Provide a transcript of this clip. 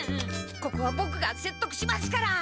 ここはボクがせっとくしますから！